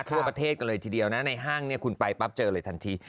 ทั่วประเทศกันเลยทีเดียวนะในห้างเนี่ยคุณไปปั๊บเจอเลยทันที